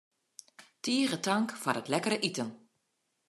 Tige tank foar it lekkere iten.